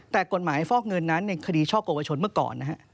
แต่กฎหมายฟอกเงินนั้นในคดีช่อกวชนเมื่อก่อนนะฮะ